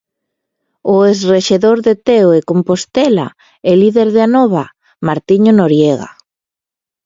O ex rexedor de Teo e Compostela e líder de Anova, Martiño Noriega.